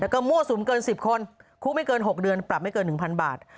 แล้วก็มั่วสุมเกิน๑๐คนคุกไม่เกิน๖เดือนปรับไม่เกิน๑๐๐บาท